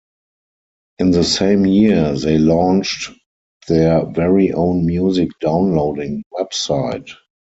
In the same year, they launched their very own music downloading website.